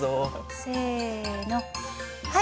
せのはい。